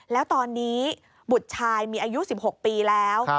แล้วตอนนี้บุตรชายมีอายุ๑๖ปีแล้ว